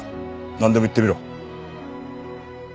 なんでも言ってみろ。